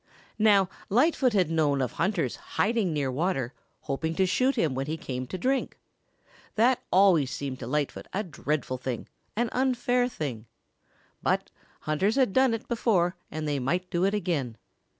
Now Lightfoot had known of hunters hiding near water, hoping to shoot him when he came to drink. That always seemed to Lightfoot a dreadful thing, an unfair thing. But hunters had done it before and they might do it again.